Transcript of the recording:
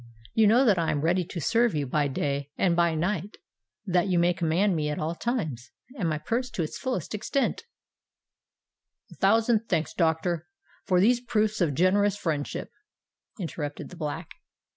You know that I am ready to serve you by day and by night—that you may command me at all times, and my purse to its fullest extent——" "A thousand thanks, doctor, for these proofs of generous friendship," interrupted the Black.